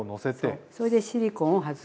そうそれでシリコンを外す。